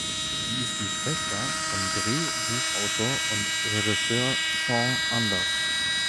Sie ist die Schwester von Drehbuchautor und Regisseur Sean Anders.